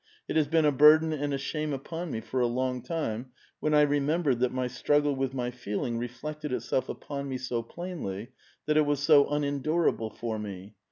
It has been a burden and a shame upon me for a long time, when I remembered that my struggle with my feeling reflected itself upon me so plainly, that it was so unendurable for me.